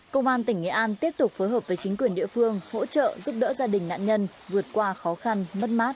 công an tỉnh nghệ an tiếp tục phối hợp với chính quyền địa phương hỗ trợ giúp đỡ gia đình nạn nhân vượt qua khó khăn mất mát